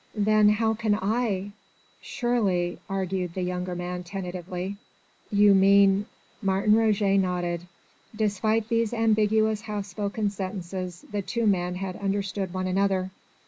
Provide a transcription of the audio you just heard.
"Then how can I ...?" "Surely ..." argued the younger man tentatively. "You mean ...?" Martin Roget nodded. Despite these ambiguous half spoken sentences the two men had understood one another.